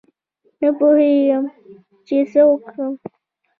نه پوهېدم چې څه وکړم.